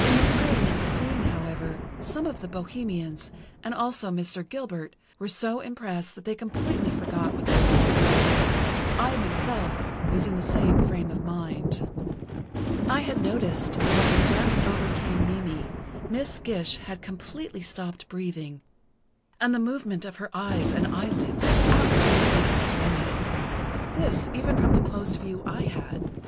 In the playing of the scene, however, some of the bohemians, and also Mr. Gilbert, were so impressed that they completely forgot what they were to do. I, myself, was in the same frame of mind. I had noticed that when death overcame Mimi, Miss Gish had completely stopped breathing and the movement of her eyes and eyelids was absolutely suspended. This, even from the close view I had.